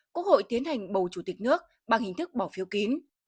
quốc hội tiến hành bầu chủ tịch nước bằng hình thức bỏ phiếu kín